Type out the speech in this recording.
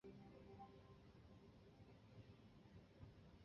小紫果槭为槭树科槭属下的一个变种。